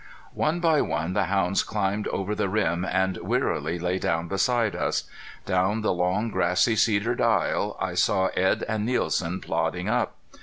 One by one the hounds climbed over the rim and wearily lay down beside us. Down the long, grassy, cedared aisle I saw Edd and Nielsen plodding up.